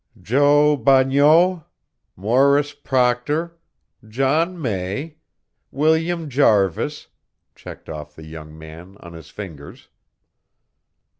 "Jo Bagneau, Morris Proctor, John May, William Jarvis," checked off the young man on his fingers.